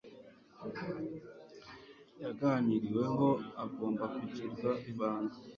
yaganiriweho agomba kugirwa ibanga